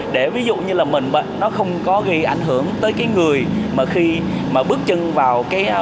để ví dụ như là mình nó không có gây ảnh hưởng tới cái người mà khi mà bước chân vào cái